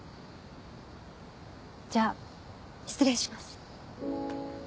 じゃあ失礼します。